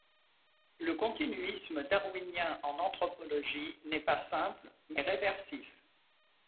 Le continuisme darwinien en anthropologie n’est pas simple, mais réversif.